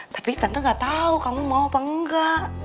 tapi tante gak tahu kamu mau apa enggak